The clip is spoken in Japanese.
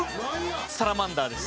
サラマンダーです。